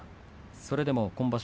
それでも今場所